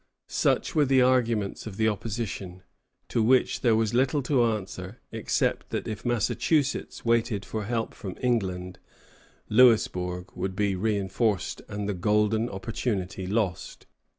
Such were the arguments of the opposition, to which there was little to answer, except that if Massachusetts waited for help from England, Louisbourg would be reinforced and the golden opportunity lost.